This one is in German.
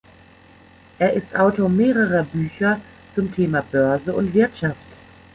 Er ist Autor mehrerer Bücher zum Thema Börse und Wirtschaft.